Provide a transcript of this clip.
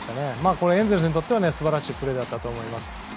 これはエンゼルスにとっては素晴らしいプレーだったと思います。